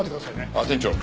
あっ店長。